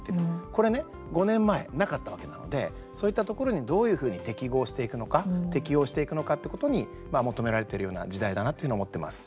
これ、５年前なかったわけなのでそういったところにどういうふうに適合していくのか適応していくのかってことに求められてるような時代だなというふうに思ってます。